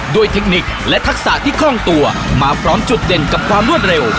เทคนิคและทักษะที่คล่องตัวมาพร้อมจุดเด่นกับความรวดเร็ว